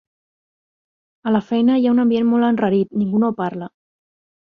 A la feina hi ha un ambient molt enrarit: ningú no parla.